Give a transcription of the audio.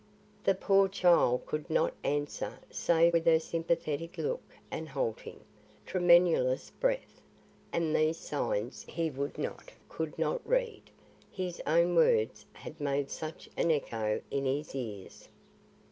The poor child could not answer save with her sympathetic look and halting, tremulous breath; and these signs, he would not, could not read, his own words had made such an echo in his ears.